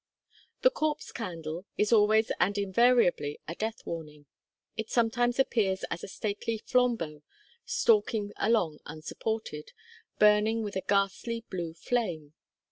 The Corpse Candle is always and invariably a death warning. It sometimes appears as a stately flambeau, stalking along unsupported, burning with a ghastly blue flame.